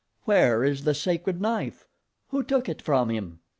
Where is the sacred knife? Who took it from him?"